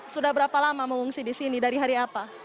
sudah berapa lama mengungsi di sini dari hari apa